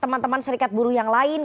teman teman serikat buruh yang lain